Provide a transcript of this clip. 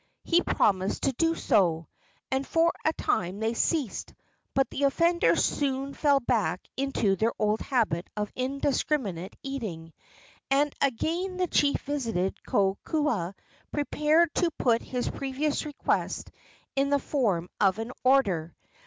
He promised to do so, and for a time they ceased; but the offenders soon fell back into their old habit of indiscriminate eating, and the chief again visited Kokoa, prepared to put his previous request into the form of an order.